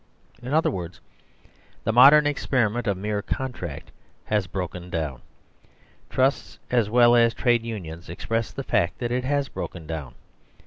In other words, the modern experiment of mere contract has broken down. Trusts as well as Trades' Unions express the fact that it has broken down.